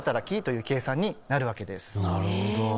なるほど。